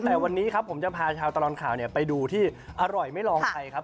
แต่วันนี้ครับผมจะพาชาวตลอดข่าวไปดูที่อร่อยไม่ลองใครครับ